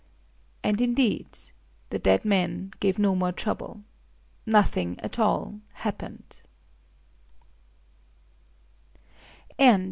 —And indeed the dead man gave no more trouble. Nothing at all happened.